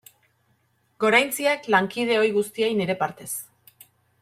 Goraintziak lankide ohi guztiei nire partez.